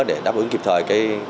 để đáp ứng kịp thời